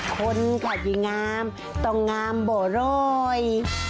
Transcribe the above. คนขาดอยู่งามต้องงามบ่ร้อย